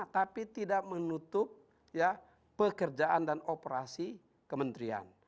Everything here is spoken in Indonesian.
tapi tidak menutup pekerjaan dan operasi kementerian